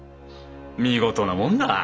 見事なもんだ。